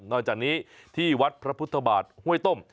จากนี้ที่วัดพระพุทธบาทห้วยต้ม